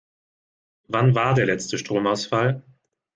Wann war der letzte Stromausfall?